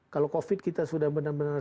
kalau covid kita sudah benar benar